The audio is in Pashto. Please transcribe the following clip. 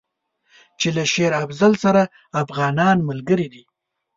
چې له شېر افضل سره افغانان ملګري دي.